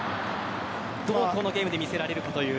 どうこのゲームで見せられるかという。